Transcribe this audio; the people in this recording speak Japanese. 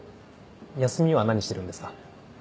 休みは何してるんですか？